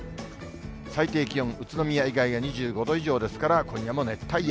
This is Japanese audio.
最低気温、宇都宮以外が２５度以上ですから、今夜も熱帯夜。